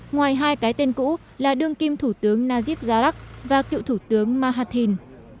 ngoài hai cái tên cũ là đương kim thủ tướng najib jarak và cựu thủ tướng mahathir